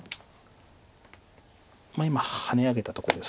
今ハネ上げたとこです。